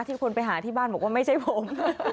คนไปหาที่บ้านบอกว่าไม่ใช่ผม